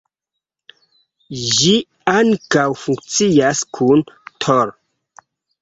Ĝi ankaŭ funkcias kun Tor.